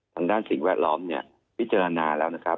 สิ่งแวดล้อมเนี่ยพิจารณาแล้วนะครับ